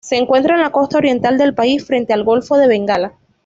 Se encuentra en la costa oriental del país, frente al golfo de Bengala.